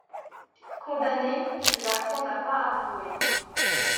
Condamné, ce garçon n’a pas avoué!